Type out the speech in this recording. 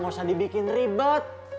gak usah dibikin ribet